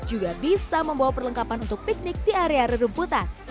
juga bisa membawa perlengkapan untuk piknik di area rumputan